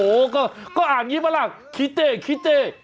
โอ้โฮก็อ่านอย่างนี้มาล่ะคิเต่คิเต่